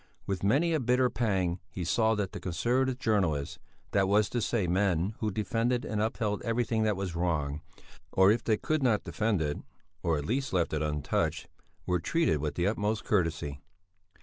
With many a bitter pang he saw that all Conservative journalists, that was to say men who defended and upheld everything that was wrong or if they could not defend it, at least left it untouched were treated with the utmost courtesy.